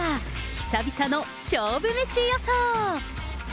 久々の勝負飯予想。